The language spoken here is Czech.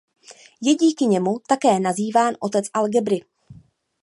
Je díky němu také nazýván "otec algebry".